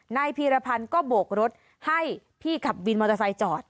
พีรพันธ์ก็โบกรถให้พี่ขับวินมอเตอร์ไซค์จอด